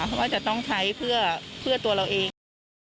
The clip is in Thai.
เพราะว่าจะต้องใช้เพื่อตัวเราเอง